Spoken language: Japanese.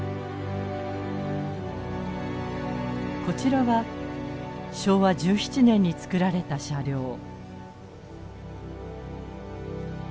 こちらは昭和１７年につくられた車両。